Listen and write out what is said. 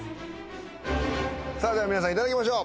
さあでは皆さん頂きましょう。